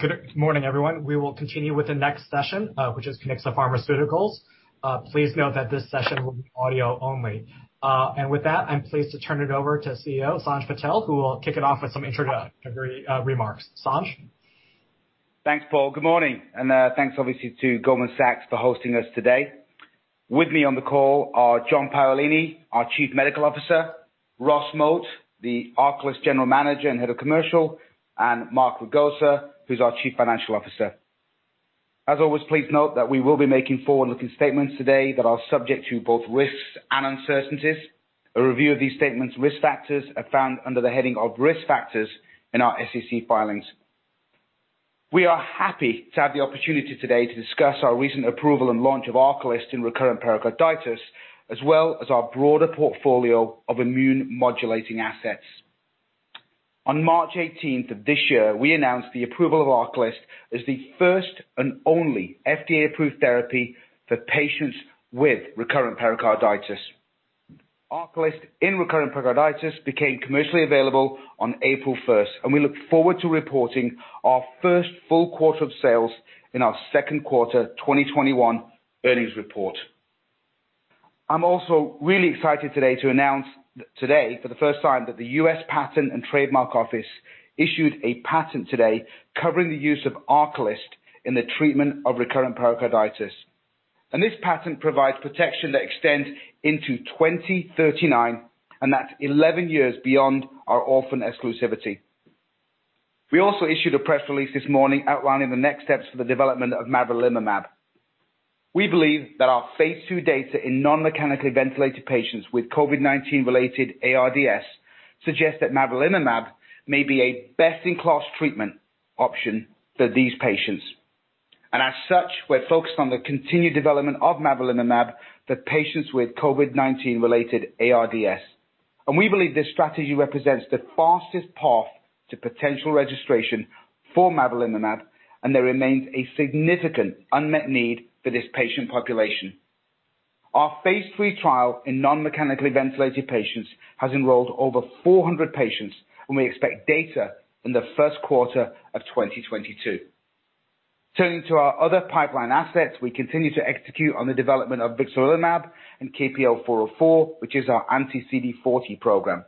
Good morning, everyone. We will continue with the next session, which is Kiniksa Pharmaceuticals. Please note that this session will be audio only. With that, I'm pleased to turn it over to CEO Sanj Patel, who will kick it off with some introductory remarks. Sanj? Thanks, Paul. Good morning. Thanks obviously to Goldman Sachs for hosting us today. With me on the call are John Paolini, our Chief Medical Officer, Ross Moat, the ARCALYST General Manager and Head of Commercial, and Mark Ragosa, who's our Chief Financial Officer. As always, please note that we will be making forward-looking statements today that are subject to both risks and uncertainties. A review of these statements and risk factors are found under the heading of "Risk Factors" in our SEC filings. We are happy to have the opportunity today to discuss our recent approval and launch of ARCALYST in recurrent pericarditis, as well as our broader portfolio of immune modulating assets. On March 18th of this year, we announced the approval of ARCALYST as the first and only FDA-approved therapy for patients with recurrent pericarditis. ARCALYST in recurrent pericarditis became commercially available on April 1st, and we look forward to reporting our first full quarter of sales in our second quarter 2021 earnings report. I am also really excited today to announce today for the first time that the U.S. Patent and Trademark Office issued a patent today covering the use of ARCALYST in the treatment of recurrent pericarditis. This patent provides protection that extends into 2039, and that is 11 years beyond our orphan exclusivity. We also issued a press release this morning outlining the next steps for the development of mavrilimumab. We believe that our phase II data in non-mechanically ventilated patients with COVID-19 related ARDS suggest that mavrilimumab may be a best-in-class treatment option for these patients. As such, we are focused on the continued development of mavrilimumab for patients with COVID-19 related ARDS. We believe this strategy represents the fastest path to potential registration for mavrilimumab, and there remains a significant unmet need for this patient population. Our phase III trial in non-mechanically ventilated patients has enrolled over 400 patients, and we expect data in the first quarter of 2022. Turning to our other pipeline assets, we continue to execute on the development of vixarelimab and KPL-404, which is our anti-CD40 program.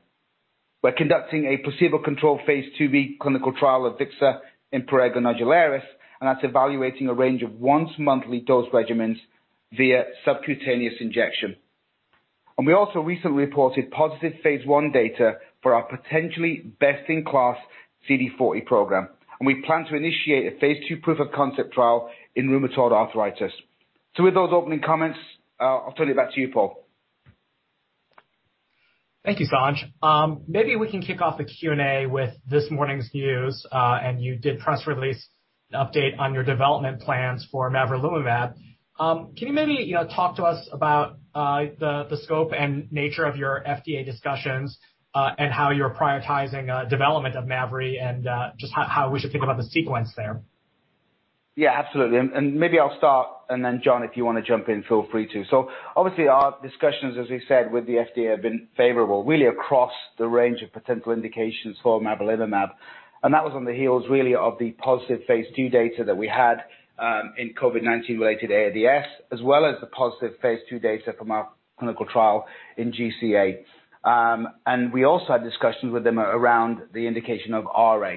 We're conducting a placebo-controlled phase II-B clinical trial of vixa in prurigo nodularis, and that's evaluating a range of once-monthly dose regimens via subcutaneous injection. We also recently reported positive phase I data for our potentially best-in-class CD40 program, and we plan to initiate a phase II proof of concept trial in rheumatoid arthritis. With those opening comments, I'll turn it back to you, Paul. Thank you, Sanj. Maybe we can kick off the Q&A with this morning's news. You did a press release update on your development plans for mavrilimumab. Can you maybe talk to us about the scope and nature of your FDA discussions and how you're prioritizing development of mavri and just how we should think about the sequence there? Yeah, absolutely. Maybe I'll start, then John, if you want to jump in, feel free to. Obviously, our discussions, as we said, with the FDA have been favorable, really across the range of potential indications for mavrilimumab. That was on the heels really of the positive phase II data that we had, in COVID-19 related ARDS, as well as the positive phase II data from our clinical trial in GCA. We also had discussions with them around the indication of RA.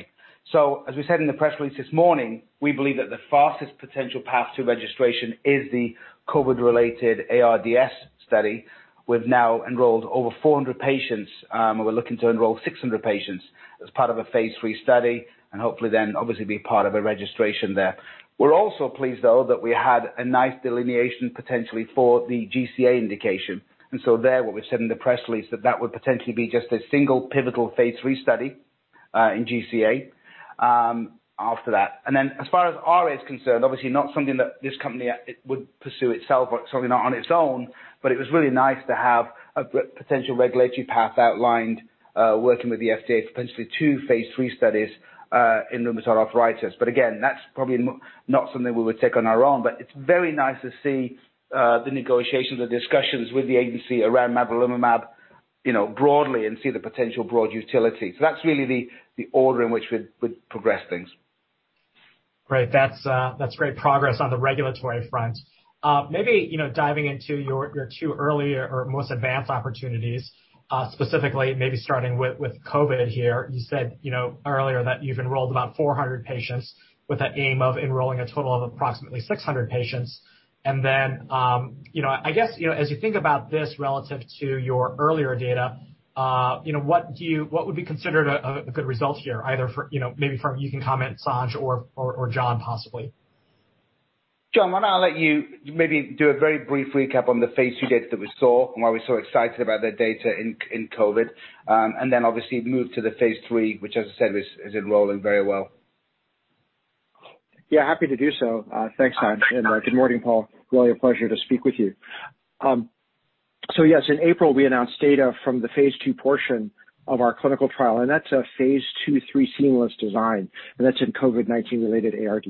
As we said in the press release this morning, we believe that the fastest potential path to registration is the COVID-related ARDS study. We've now enrolled over 400 patients, we're looking to enroll 600 patients as part of a phase III study, hopefully then obviously be part of a registration there. We're also pleased, though, that we had a nice delineation potentially for the GCA indication. There, what we said in the press release, that would potentially be just a single pivotal phase III study in GCA after that. As far as RA is concerned, obviously not something that this company would pursue itself, or certainly not on its own. It was really nice to have a potential regulatory path outlined, working with the FDA for potentially two phase III studies in rheumatoid arthritis. Again, that's probably not something we would take on our own. It's very nice to see the negotiations or discussions with the agency around mavrilimumab broadly and see the potential broad utility. That's really the order in which we'd progress things. Right. That's great progress on the regulatory front. Maybe diving into your two early or most advanced opportunities, specifically maybe starting with COVID here. You said earlier that you've enrolled about 400 patients with that aim of enrolling a total of approximately 600 patients. I guess, as you think about this relative to your earlier data, what would be considered a good result here? Either maybe you can comment, Sanj or John, possibly. John, why don't I let you maybe do a very brief recap on the phase II data that we saw and why we're so excited about the data in COVID, and then obviously move to the phase III, which as I said, is enrolling very well. Happy to do so. Thanks, Sanj. Good morning, Paul. Really a pleasure to speak with you. Yes, in April, we announced data from the phase II portion of our clinical trial, and that's a phase II/III seamless design, and that's in COVID-19 related ARDS.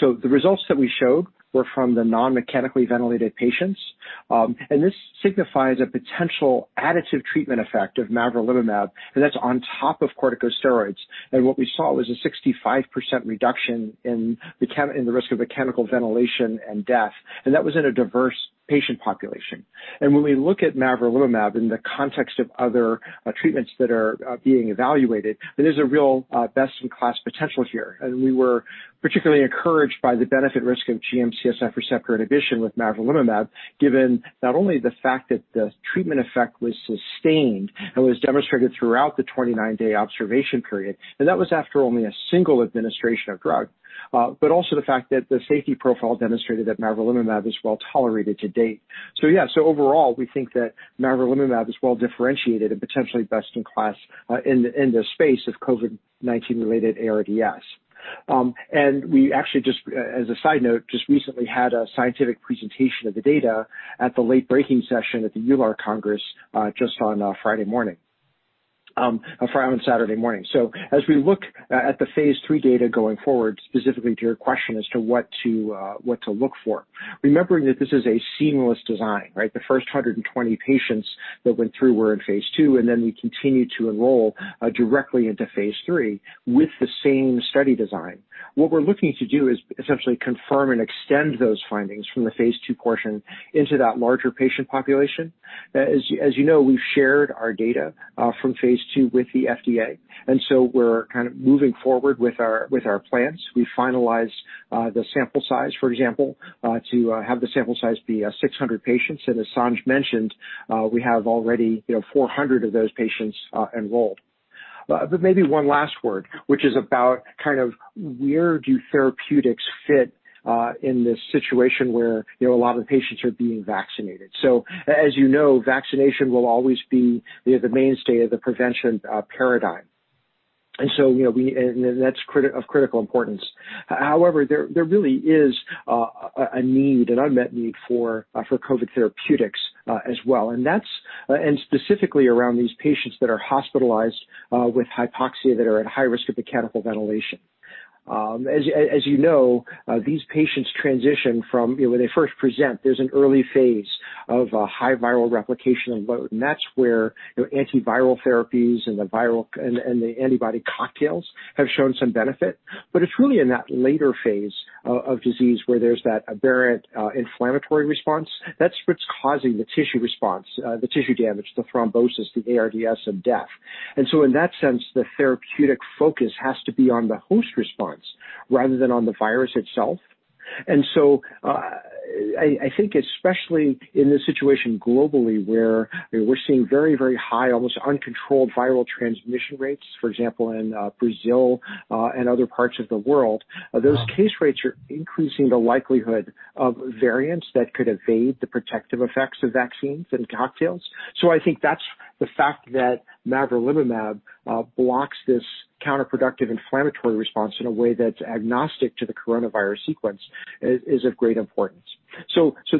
The results that we showed were from the non-mechanically ventilated patients, and this signifies a potential additive treatment effect of mavrilimumab, and that's on top of corticosteroids. What we saw was a 65% reduction in the risk of mechanical ventilation and death, and that was in a diverse patient population. When we look at mavrilimumab in the context of other treatments that are being evaluated, there is a real best-in-class potential here. We were particularly encouraged by the benefit-risk of GM-CSF receptor inhibition with mavrilimumab, given not only the fact that the treatment effect was sustained and was demonstrated throughout the 29-day observation period, and that was after only a single administration of drug. Also the fact that the safety profile demonstrated that mavrilimumab is well-tolerated to date. Yes, overall, we think that mavrilimumab is well-differentiated and potentially best in class in the space of COVID-19-related ARDS. We actually, as a side note, just recently had a scientific presentation of the data at the late-breaking session at the EULAR Congress just on Friday morning, Friday and Saturday morning. As we look at the phase III data going forward, specifically to your question as to what to look for, remembering that this is a seamless design, right? The first 120 patients that went through were in phase II, and then we continued to enroll directly into phase III with the same study design. What we're looking to do is essentially confirm and extend those findings from the phase II portion into that larger patient population. As you know, we've shared our data from phase II with the FDA, and so we're moving forward with our plans. We finalized the sample size, for example, to have the sample size be 600 patients. As Sanj mentioned, we have already 400 of those patients enrolled. Maybe one last word, which is about where do therapeutics fit in this situation where a lot of patients are being vaccinated. As you know, vaccination will always be the mainstay of the prevention paradigm. That's of critical importance. However, there really is an unmet need for COVID therapeutics as well, and specifically around these patients that are hospitalized with hypoxia that are at high risk of mechanical ventilation. response rather than on the virus itself. I think especially in this situation globally where we're seeing very, very high, almost uncontrolled viral transmission rates, for example, in Brazil and other parts of the world, those case rates are increasing the likelihood of variants that could evade the protective effects of vaccines and cocktails. I think that's the fact that mavrilimumab blocks this counterproductive inflammatory response in a way that's agnostic to the coronavirus sequence is of great importance.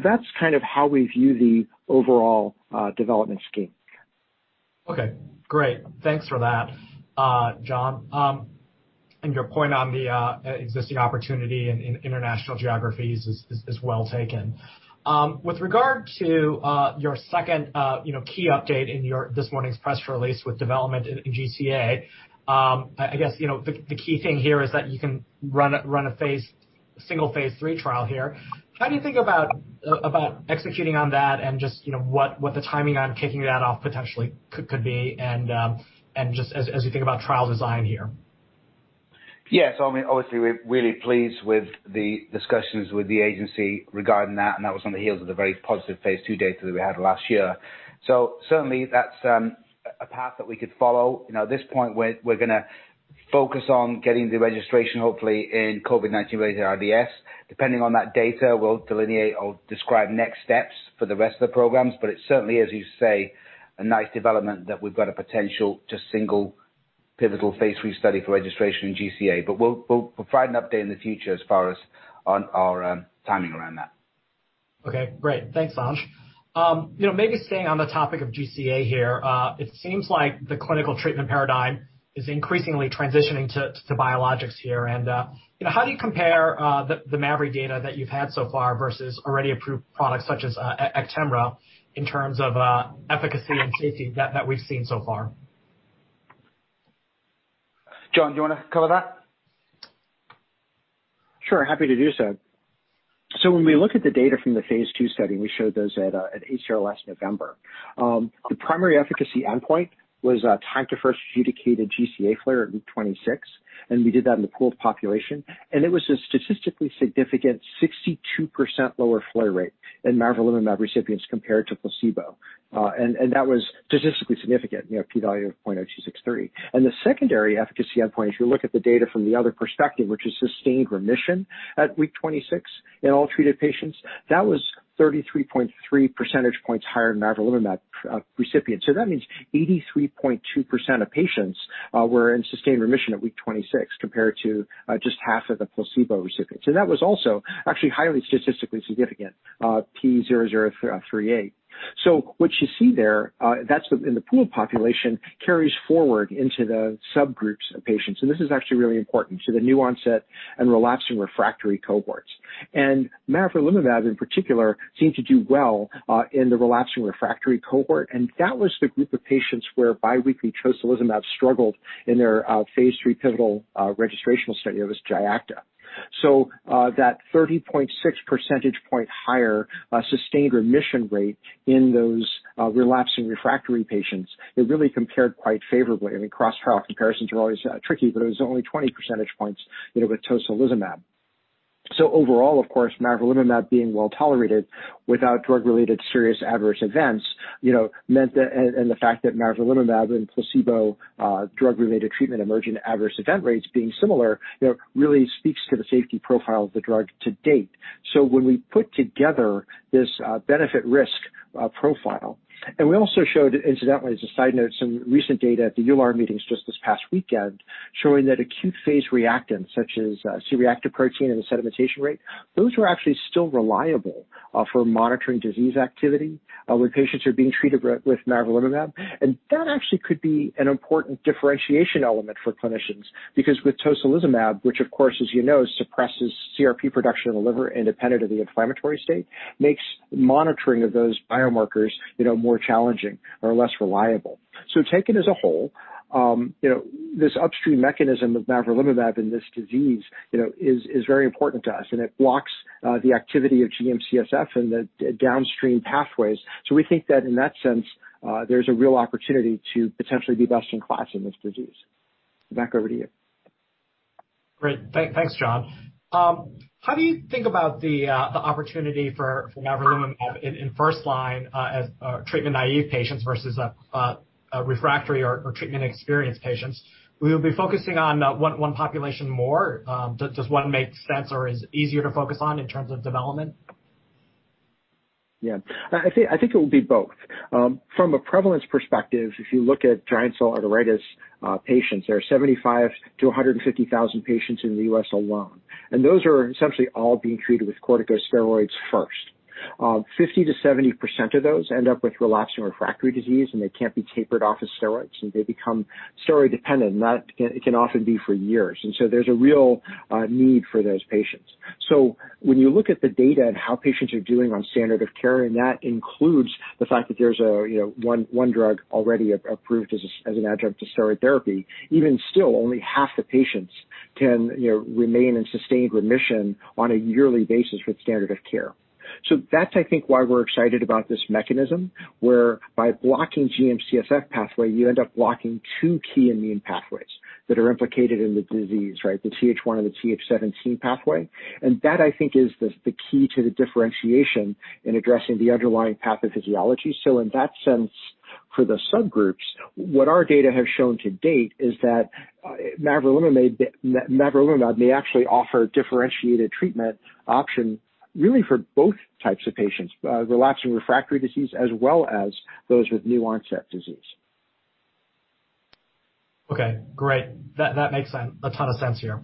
That's how we view the overall development scheme. Okay, great. Thanks for that, John. Your point on the existing opportunity in international geographies is well taken. With regard to your second key update in this morning's press release with development in GCA, I guess, the key thing here is that you can run a single phase III trial here. How do you think about executing on that and just what the timing on kicking that off potentially could be and just as you think about trial design here? Yeah. Obviously, we're really pleased with the discussions with the agency regarding that, and that was on the heels of the very positive phase II data that we had last year. Certainly, that's a path that we could follow. At this point, we're going to focus on getting the registration, hopefully, in COVID-19 related ARDS. Depending on that data, we'll delineate or describe next steps for the rest of the programs. It's certainly, as you say, a nice development that we've got a potential to single pivotal phase III study for registration in GCA. We'll provide an update in the future as far as on our timing around that. Okay, great. Thanks, Sanj. Maybe staying on the topic of GCA here, it seems like the clinical treatment paradigm is increasingly transitioning to biologics here. How do you compare the mavri data that you've had so far versus already approved products such as ACTEMRA in terms of efficacy and safety that we've seen so far? John, do you want to cover that? Sure, happy to do so. When we look at the data from the phase II study, we showed those data at ACR last November. The primary efficacy endpoint was time to first GCA flare at week 26, and we did that in the pooled population. It was a statistically significant 62% lower flare rate in mavrilimumab recipients compared to placebo. That was statistically significant, p-value of 0.0263. The secondary efficacy endpoint, if you look at the data from the other perspective, which is sustained remission at week 26 in all treated patients, that was 33.3 percentage points higher in mavrilimumab recipients. That means 83.2% of patients were in sustained remission at week 26 compared to just half of the placebo recipients. That was also actually highly statistically significant, p 0.0038. What you see there, that's in the pool population carries forward into the subgroups of patients. This is actually really important to the new onset and relapsing refractory cohorts. Mavrilimumab, in particular, seemed to do well in the relapsing refractory cohort, and that was the group of patients where biweekly tocilizumab struggled in their phase III pivotal registrational study, that was GiACTA. That 30.6 percentage point higher sustained remission rate in those relapsing refractory patients, it really compared quite favorably. Cross trial comparisons are always tricky, but it was only 20 percentage points with tocilizumab. Overall, of course, mavrilimumab being well-tolerated without drug-related serious adverse events, and the fact that mavrilimumab and placebo drug-related treatment emerging adverse event rates being similar, really speaks to the safety profile of the drug to date. When we put together this benefit risk profile, and we also showed, incidentally, as a side note, some recent data at the EULAR meetings just this past weekend showing that acute phase reactants such as C-reactive protein and sedimentation rate, those are actually still reliable for monitoring disease activity when patients are being treated with mavrilimumab. That actually could be an important differentiation element for clinicians because with tocilizumab, which of course, as you know, suppresses CRP production of the liver independent of the inflammatory state, makes monitoring of those biomarkers more challenging or less reliable. Taken as a whole, this upstream mechanism of mavrilimumab in this disease is very important to us, and it blocks the activity of GM-CSF and the downstream pathways. We think that in that sense, there's a real opportunity to potentially be best in class in this disease. Back over to you. Great. Thanks, John. How do you think about the opportunity for mavrilimumab in first-line treatment-naive patients versus a refractory or treatment-experienced patients? Will you be focusing on one population more? Does one make sense or is easier to focus on in terms of development? I think it will be both. From a prevalence perspective, if you look at giant cell arteritis patients, there are 75,000-150,000 patients in the U.S. alone, and those are essentially all being treated with corticosteroids first. 50%-70% of those end up with relapsing refractory disease, and they can't be tapered off the steroids, and they become steroid dependent. That can often be for years. There's a real need for those patients. When you look at the data and how patients are doing on standard of care, and that includes the fact that there's one drug already approved as an adjunct to steroid therapy, even still, only half the patients can remain in sustained remission on a yearly basis with standard of care. That's, I think, why we're excited about this mechanism, where by blocking GM-CSF pathway, you end up blocking two key immune pathways that are implicated in the disease, right? The Th1 and the Th17 pathway. That, I think is the key to the differentiation in addressing the underlying pathophysiology. In that sense, for the subgroups, what our data have shown to date is that mavrilimumab may actually offer differentiated treatment option really for both types of patients, relapsing refractory disease as well as those with new onset disease. Okay, great. That makes a ton of sense here.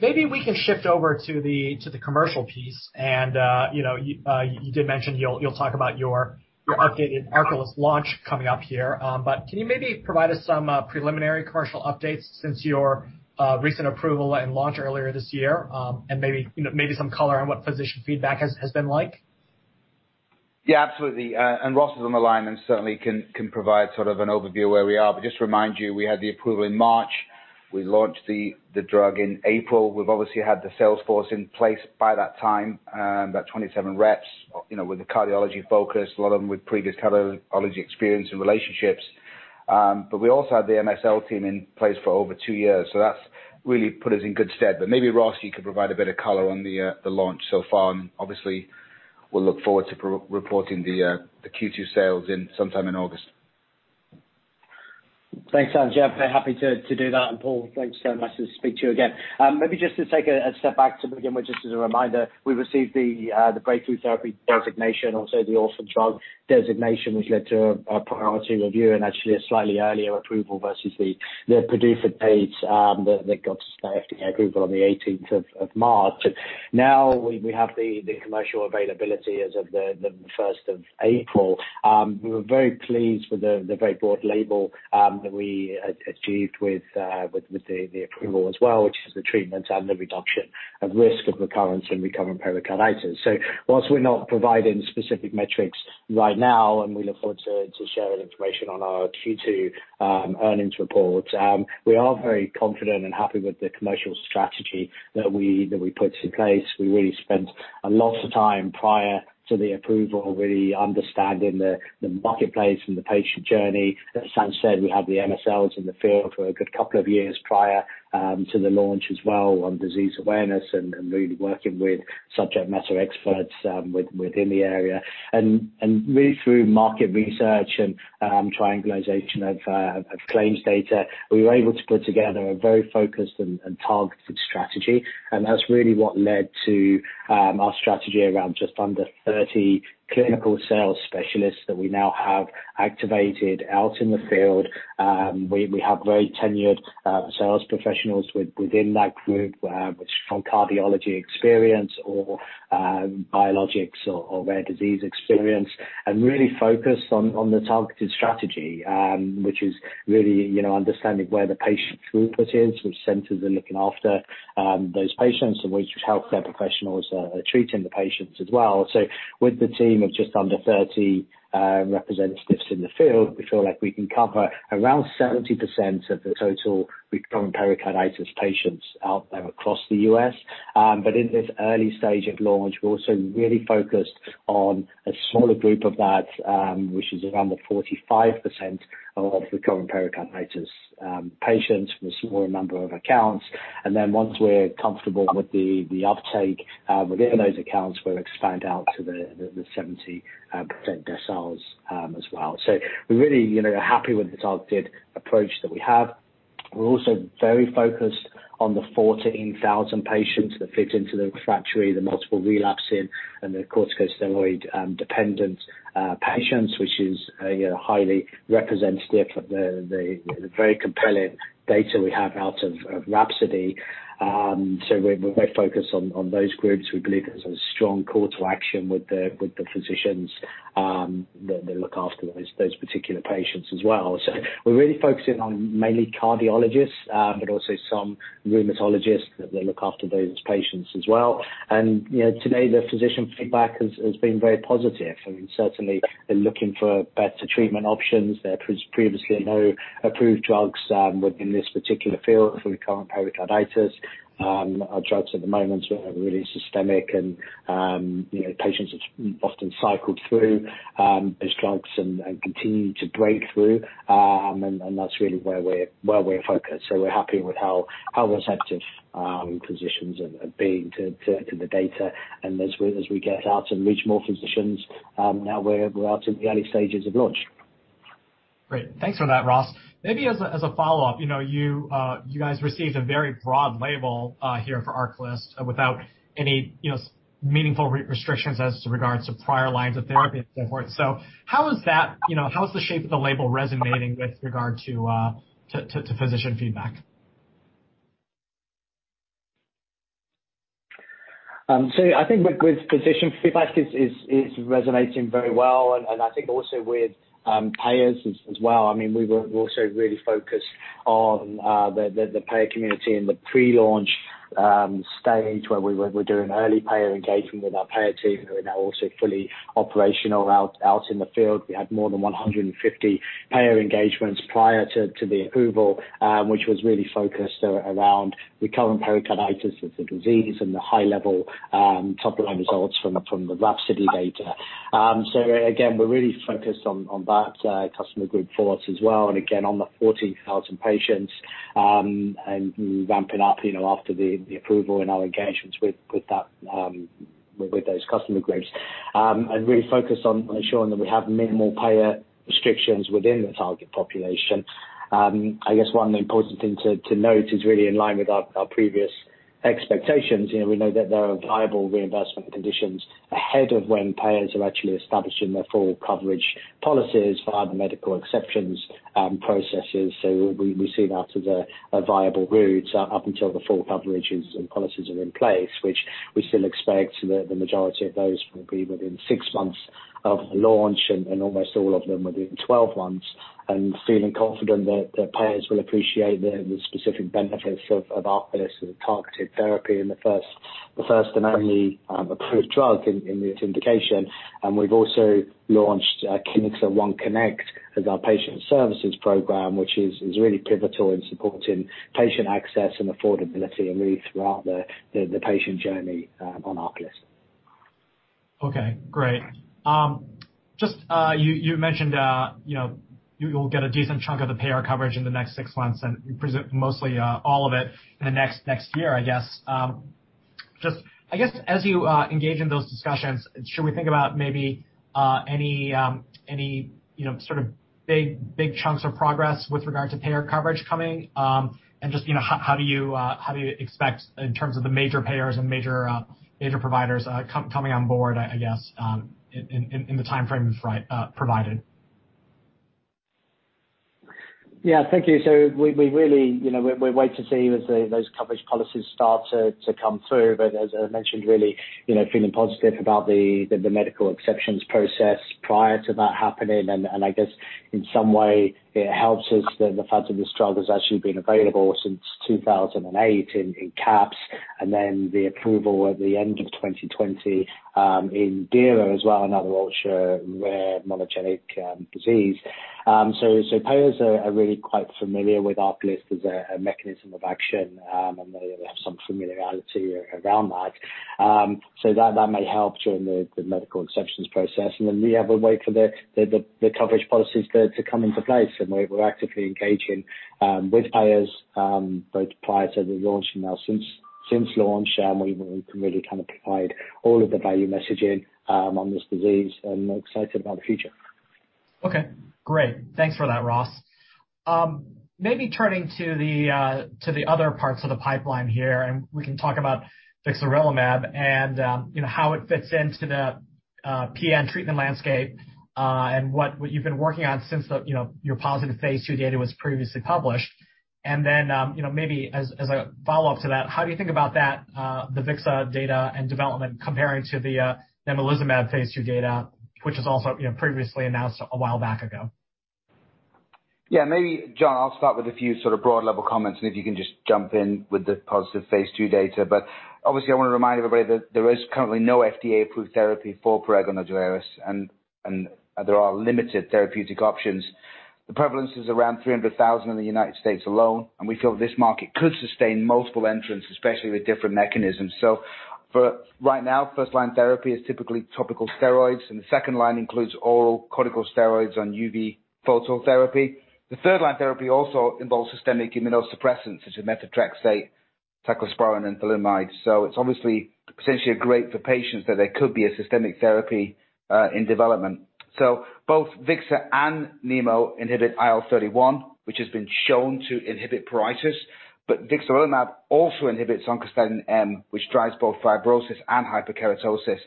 Maybe we can shift over to the commercial piece. You did mention you'll talk about your updated ARCALYST launch coming up here. Can you maybe provide us some preliminary commercial updates since your recent approval and launch earlier this year? Maybe some color on what physician feedback has been like. Absolutely. Ross is on the line and certainly can provide sort of an overview where we are. Just remind you, we had the approval in March. We launched the drug in April. We've obviously had the sales force in place by that time, about 27 reps with a cardiology focus, a lot of them with previous cardiology experience and relationships. We also had the MSL team in place for over two years, so that's really put us in good stead. Maybe Ross, you can provide a bit of color on the launch so far, and obviously, we'll look forward to reporting the Q2 sales sometime in August. Thanks, Sanj. Yeah, happy to do that. Paul, great to speak to you again. Maybe just to take a step back again, just as a reminder, we received the Breakthrough Therapy designation, also the Orphan Drug Designation, which led to a priority review and actually a slightly earlier approval versus the PDUFA date that got approval on the 18th of March. Now we have the commercial availability as of the 1st of April. We were very pleased with the very broad label that we achieved with the approval as well, which is the treatment and the reduction of risk of recurrence and recurrent pericarditis. Whilst we're not providing specific metrics right now, and we look forward to sharing information on our Q2 earnings report, we are very confident and happy with the commercial strategy that we put in place. We really spent a lot of time prior to the approval really understanding the marketplace and the patient journey. As Sanj said, we had the MSLs in the field for a good couple of years prior to the launch as well on disease awareness and really working with subject matter experts within the area. Really through market research and triangulation of claims data, we were able to put together a very focused and targeted strategy, and that's really what led to our strategy around just under 30 clinical sales specialists that we now have activated out in the field. We have very tenured sales professionals within that group, which is from cardiology experience or biologics or rare disease experience, and really focused on the targeted strategy. Which is really understanding where the patient throughput is, which centers are looking after those patients, and which healthcare professionals are treating the patients as well. With the team of just under 30 representatives in the field, we feel like we can cover around 70% of the total recurrent pericarditis patients out there across the U.S. In this early stage of launch, we're also really focused on a smaller group of that, which is around the 45% of recurrent pericarditis patients with a smaller number of accounts. Once we're comfortable with the uptake within those accounts, we'll expand out to the 70% there as well. We're really happy with the targeted approach that we have. We're also very focused on the 14,000 patients that fit into the refractory, the multiple relapsing, and the corticosteroid-dependent patients, which is highly representative of the very compelling data we have out of RHAPSODY. We're very focused on those groups. We believe there's a strong call to action with the physicians that may look after those particular patients as well. We're really focusing on mainly cardiologists, but also some rheumatologists that may look after those patients as well. To date, the physician feedback has been very positive. I mean, certainly they're looking for better treatment options. There was previously no approved drugs within this particular field for recurrent pericarditis. Our drugs at the moment are really systemic, and patients often cycle through those drugs and continue to break through. That's really where we're focused. We're happy with how receptive physicians are being to the data, and as we get out and reach more physicians, now we're out in the early stages of launch. Great. Thanks for that, Ross. Maybe as a follow-up, you guys received a very broad label here for ARCALYST without any meaningful restrictions as to regards to prior lines of therapy therefore. How is the shape of the label resonating with regard to physician feedback? I think with physician feedback, it's resonating very well, and I think also with payers as well. I mean, we were also really focused on the payer community in the pre-launch stage where we were doing early payer engagement with our payer team, who are now also fully operational out in the field. We had more than 150 payer engagements prior to the approval, which was really focused around recurrent pericarditis as a disease and the high-level topline results from the RHAPSODY data. Again, we're really focused on that customer group for us as well. Again, on the 14,000 patients, and ramping up after the approval and our engagements with those customer groups. Really focused on ensuring that we have minimal payer restrictions within the target population. I guess one important thing to note is really in line with our previous expectations. We know that there are viable reimbursement conditions ahead of when payers are actually establishing their full coverage policies via medical exceptions and processes. We see that as a viable route up until the full coverages and policies are in place, which we still expect that the majority of those will be within six months of the launch, and almost all of them within 12 months. Feeling confident that the payers will appreciate the specific benefits of ARCALYST as a targeted therapy and the first and only approved drug in this indication. We've also launched Kiniksa OneConnect as our patient services program, which is really pivotal in supporting patient access and affordability really throughout the patient journey on ARCALYST. Okay, great. Just you mentioned you'll get a decent chunk of the payer coverage in the next six months and mostly all of it in the next year, I guess. Just, I guess, as you engage in those discussions, should we think about maybe any sort of big chunks of progress with regard to payer coverage coming? Just how do you expect in terms of the major payers and major providers coming on board, I guess, in the time frames provided? Yeah, thank you. We really wait to see as those coverage policies start to come through, but as I mentioned, really feeling positive about the medical exceptions process prior to that happening. I guess in some way it helps us the fact that this drug has actually been available since 2008 in CAPS, then the approval at the end of 2020 in DIRA as well, another ultra-rare monogenic disease. Payers are really quite familiar with ARCALYST as a mechanism of action, and they have some familiarity around that. That may help during the medical exceptions process. We have a wait for the coverage policies to come into place, and we're actively engaging with payers both prior to the launch and now since launch. We've really kind of provided all of the value messaging on this disease and are excited about the future. Okay, great. Thanks for that, Ross. Maybe turning to the other parts of the pipeline here, we can talk about vixarelimab and how it fits into the PN treatment landscape and what you've been working on since your positive phase II data was previously published. Maybe as a follow-up to that, how do you think about that, the vixa data and development comparing to the nemolizumab phase II data, which was also previously announced a while back ago? Yeah. Maybe, John, I'll start with a few sort of broad level comments, and if you can just jump in with the positive phase II data, but obviously I want to remind everybody that there is currently no FDA-approved therapy for prurigo nodularis, and there are limited therapeutic options. The prevalence is around 300,000 in the United States alone, and we feel that this market could sustain multiple entrants, especially with different mechanisms. For right now, first-line therapy is typically topical steroids, and the second-line includes oral corticosteroids and UV phototherapy. The third-line therapy also involves systemic immunosuppressants such as methotrexate, cyclosporine, and thalidomide. It's obviously potentially great for patients that there could be a systemic therapy in development. Both vixa and nemo inhibit IL-31, which has been shown to inhibit pruritus, but vixarelimab also inhibits oncostatin M, which drives both fibrosis and hyperkeratosis,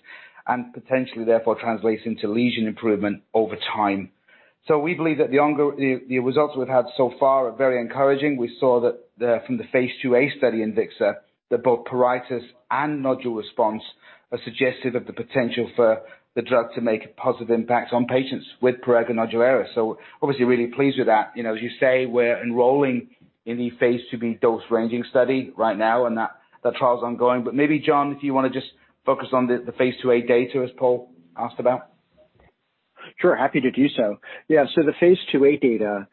and potentially therefore translates into lesion improvement over time. We believe that the results we've had so far are very encouraging. We saw that from the phase II-A study in vixa, that both pruritus and nodule response are suggestive of the potential for the drug to make a positive impact on patients with prurigo nodularis. Obviously really pleased with that. As you say, we're enrolling in the phase II-B dose ranging study right now, and that trial's ongoing. Maybe, John, if you want to just focus on the phase II-A data as Paul asked about. Sure, happy to do so. The phase II-A data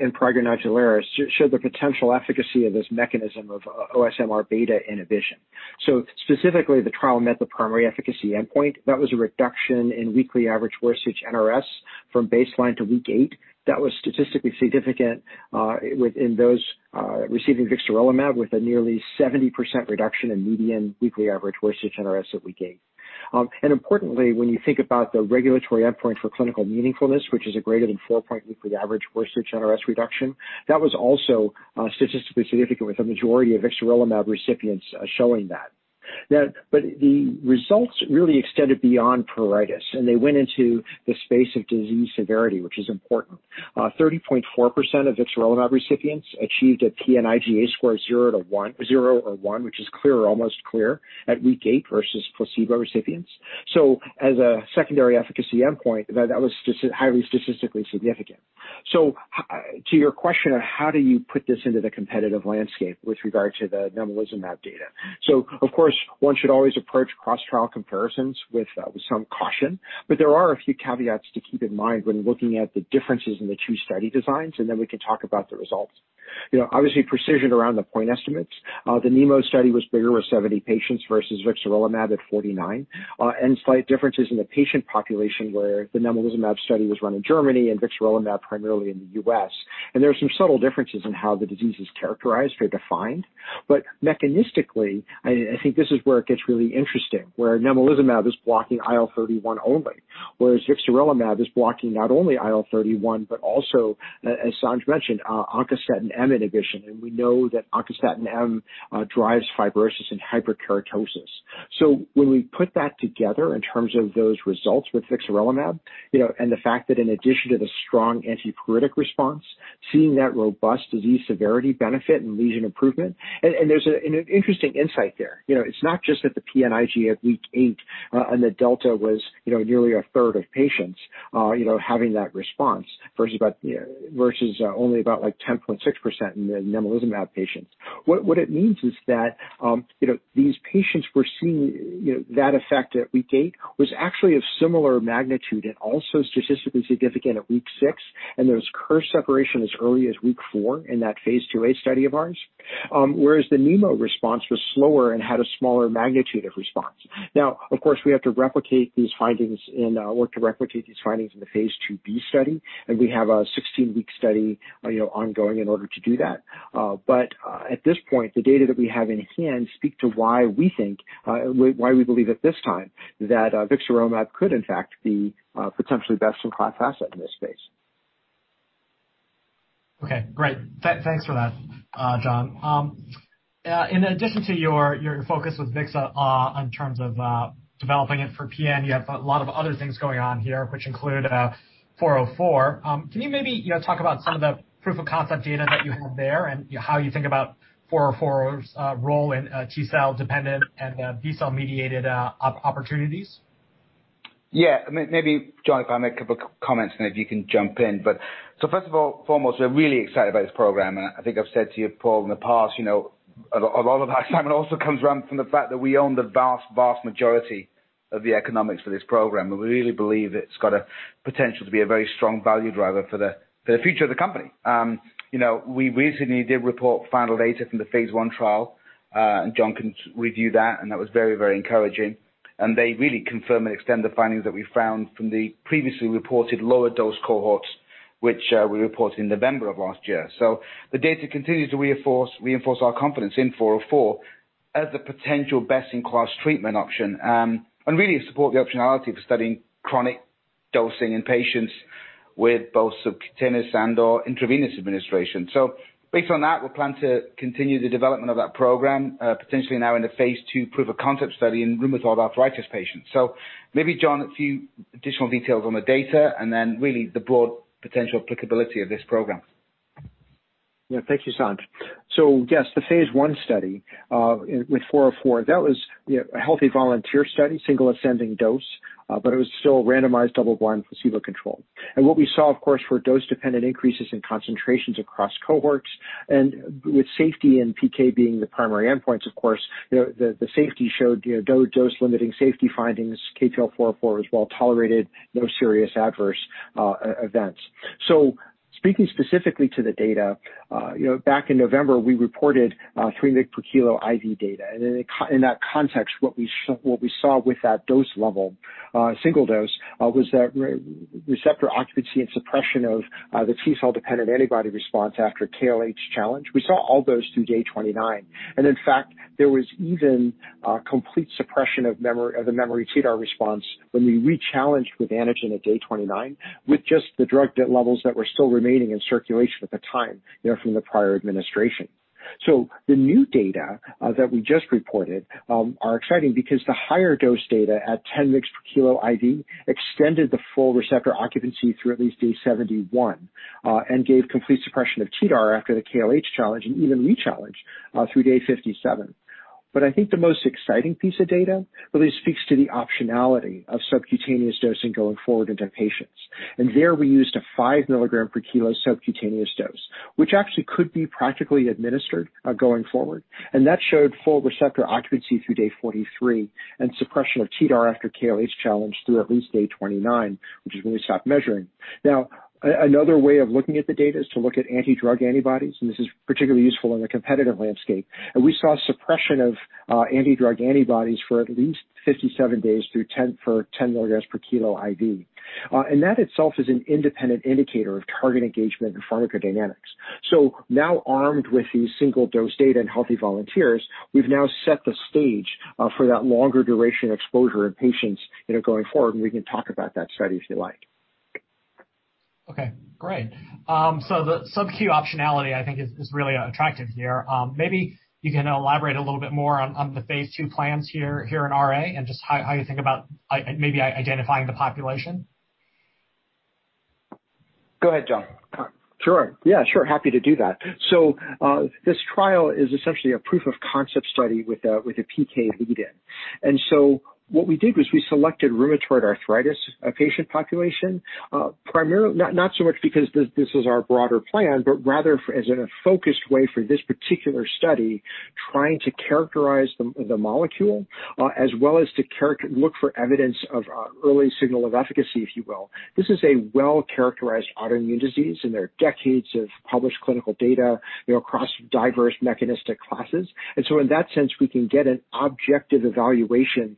in prurigo nodularis showed the potential efficacy of this mechanism of OSMRβ inhibition. Specifically, the trial met the primary efficacy endpoint. That was a reduction in weekly average worst itch NRS from baseline to week eight. That was statistically significant within those receiving vixarelimab, with a nearly 70% reduction in median weekly average worst itch NRS that we gave. Importantly, when you think about the regulatory endpoint for clinical meaningfulness, which is a greater than four-point weekly average worst itch NRS reduction, that was also statistically significant, with the majority of vixarelimab recipients showing that. The results really extended beyond pruritus, and they went into the space of disease severity, which is important. 30.4% of vixarelimab recipients achieved a PN-IGA score 0 or 1, which is clear or almost clear at week eight versus placebo recipients. As a secondary efficacy endpoint, that was highly statistically significant. To your question of how do you put this into the competitive landscape with regard to the nemolizumab data. Of course, one should always approach cross-trial comparisons with some caution, but there are a few caveats to keep in mind when looking at the differences in the two study designs, and then we can talk about the results. Obviously, precision around the point estimates. The nemo study was bigger with 70 patients versus vixarelimab at 49, and slight differences in the patient population where the nemolizumab study was run in Germany and vixarelimab primarily in the U.S. There are some subtle differences in how the disease is characterized or defined. Mechanistically, I think this is where it gets really interesting, where nemolizumab is blocking IL-31 only, whereas vixarelimab is blocking not only IL-31 but also, as Sanj mentioned, oncostatin M inhibition. We know that oncostatin M drives fibrosis and hyperkeratosis. When we put that together in terms of those results with vixarelimab, and the fact that in addition to the strong antipruritic response, seeing that robust disease severity benefit and lesion improvement, and there's an interesting insight there. It's not just that the PN-IGA at week eight and the delta was nearly 1/3 of patients having that response versus only about 10.6% in the nemolizumab patients. What it means is that these patients were seeing that effect at week eight was actually of similar magnitude and also statistically significant at week six. There was curve separation as early as week four in that phase II-A study of ours. Whereas the nemo response was slower and had a smaller magnitude of response. Of course, we have to replicate these findings in the phase II-B study, and we have a 16-week study ongoing in order to do that. At this point, the data that we have in hand speak to why we believe at this time that vixarelimab could in fact be potentially best-in-class asset in this space. Okay, great. Thanks for that, John. In addition to your focus with vixa in terms of developing it for PN, you have a lot of other things going on here, which include 404. Can you maybe talk about some of the proof of concept data that you have there and how you think about 404's role in T-cell dependent and B-cell mediated opportunities? Maybe, John, if I make a couple comments, maybe you can jump in. First of all, foremost, we're really excited about this program, and I think I've said to you, Paul, in the past, a lot of that excitement also comes around from the fact that we own the vast majority of the economics for this program, and we really believe it's got a potential to be a very strong value driver for the future of the company. We recently did report final data from the phase I trial, and John can review that, and that was very, very encouraging. They really confirm and extend the findings that we found from the previously reported lower dose cohorts, which we reported in November of last year. The data continues to reinforce our confidence in 404 as a potential best-in-class treatment option and really support the optionality for studying chronic dosing in patients with both subcutaneous and/or intravenous administration. Based on that, we plan to continue the development of that program, potentially now in a phase II proof of concept study in rheumatoid arthritis patients. Maybe, John, a few additional details on the data and then really the broad potential applicability of this program. Yeah. Thank you, Sanj. Yes, the phase I study with 404, that was a healthy volunteer study, single ascending dose, but it was still a randomized double-blind placebo control. What we saw, of course, were dose-dependent increases in concentrations across cohorts and with safety and PK being the primary endpoints, of course, the safety showed dose limiting safety findings, KPL-404 was well-tolerated, no serious adverse events. Speaking specifically to the data, back in November, we reported 3 mg/kg IV data. In that context, what we saw with that dose level, single dose, was that receptor occupancy and suppression of the T-cell dependent antibody response after KLH challenge, we saw all those through day 29. In fact, there was even a complete suppression of the memory TDAR response when we rechallenged with antigen at day 29 with just the drug levels that were still remaining in circulation at the time from the prior administration. The new data that we just reported are exciting because the higher dose data at 10 mg/kg IV extended the full receptor occupancy through at least day 71 and gave complete suppression of TDAR after the KLH challenge and even rechallenge through day 57. I think the most exciting piece of data really speaks to the optionality of subcutaneous dosing going forward into patients. There we used a 5 mg/kg subcutaneous dose, which actually could be practically administered going forward. That showed full receptor occupancy through day 43 and suppression of TDAR after KLH challenge through at least day 29, which is when we stopped measuring. Now, another way of looking at the data is to look at anti-drug antibodies, and this is particularly useful in a competitive landscape. We saw suppression of anti-drug antibodies for at least 57 days through 10 mg/kg IV. That itself is an independent indicator of target engagement and pharmacodynamics. Now armed with these single-dose data in healthy volunteers, we've now set the stage for that longer duration exposure in patients going forward, and we can talk about that study if you like. Okay, great. The sub-Q optionality, I think, is really attractive here. Maybe you can elaborate a little bit more on the phase II plans here in RA and just how you think about maybe identifying the population. Go ahead, John. Sure. Yeah, sure. Happy to do that. This trial is essentially a proof of concept study with a PK lead-in. What we did was we selected rheumatoid arthritis patient population, not so much because this is our broader plan, but rather as in a focused way for this particular study, trying to characterize the molecule as well as to look for evidence of early signal of efficacy, if you will. This is a well-characterized autoimmune disease, and there are decades of published clinical data across diverse mechanistic classes. In that sense, we can get an objective evaluation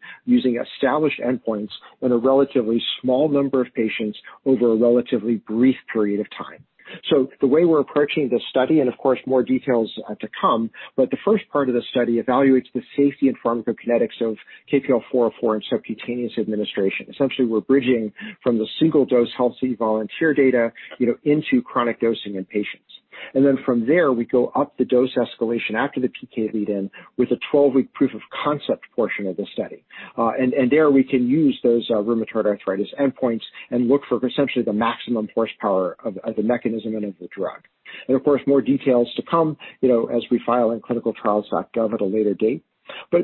using established endpoints on a relatively small number of patients over a relatively brief period of time. The way we're approaching the study, and of course, more details to come, but the first part of the study evaluates the safety and pharmacokinetics of KPL-404 in subcutaneous administration. Essentially, we're bridging from the single-dose healthy volunteer data into chronic dosing in patients. From there, we go up the dose escalation after the PK lead-in with a 12-week proof of concept portion of the study. There we can use those rheumatoid arthritis endpoints and look for essentially the maximum horsepower of the mechanism and of the drug. Of course, more details to come as we file in ClinicalTrials.gov at a later date.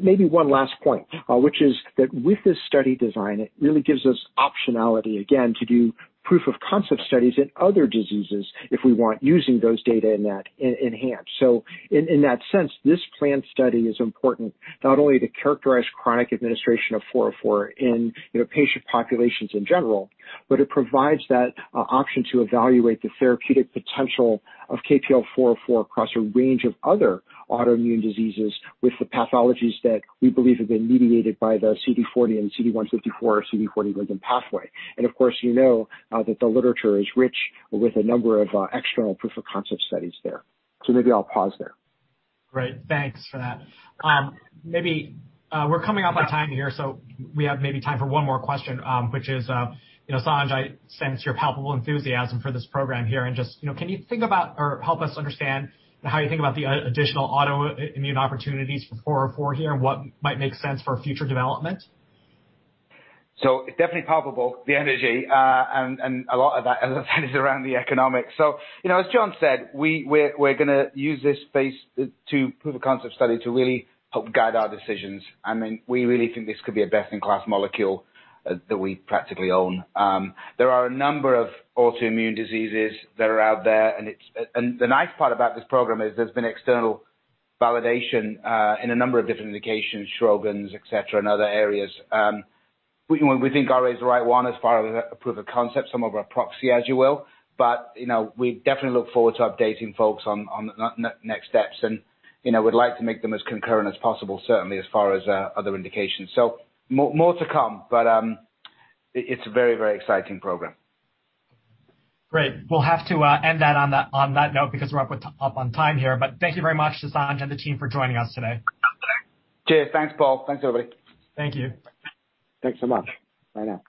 Maybe one last point, which is that with this study design, it really gives us optionality again to do proof of concept studies in other diseases if we want, using those data in hand. In that sense, this planned study is important not only to characterize chronic administration of 404 in patient populations in general, but it provides that option to evaluate the therapeutic potential of KPL-404 across a range of other autoimmune diseases with the pathologies that we believe have been mediated by the CD40 and CD154/CD40 ligand pathway. Of course, you know that the literature is rich with a number of external proof of concept studies there. Maybe I'll pause there. Great. Thanks for that. We're coming up on time here. We have maybe time for one more question, which is, Sanj, I sense your palpable enthusiasm for this program here and just can you think about or help us understand how you think about the additional autoimmune opportunities for 404 here and what might make sense for future development? Definitely palpable, the energy, and a lot of that is around the economics. As John said, we're going to use this phase II proof of concept study to really help guide our decisions, and we really think this could be a best-in-class molecule that we practically own. There are a number of autoimmune diseases that are out there, and the nice part about this program is there's been external validation in a number of different indications, Sjögren's, et cetera, and other areas. We think RA is the right one as far as proof of concept, somewhat of a proxy, as you will. We definitely look forward to updating folks on next steps, and we'd like to make them as concurrent as possible, certainly as far as other indications. More to come, but it's a very, very exciting program. Great. We'll have to end that on that note because we're up on time here. Thank you very much to Sanj and the team for joining us today. Cheers. Thanks, Paul. Thanks, everybody Thank you. Thanks so much. Bye now.